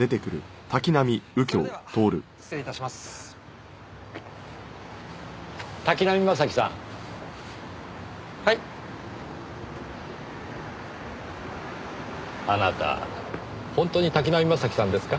あなた本当に滝浪正輝さんですか？